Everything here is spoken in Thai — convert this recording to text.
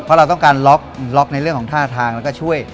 เพราะเราต้องการล็อกในเรื่องของท่าทางแล้วก็ช่วย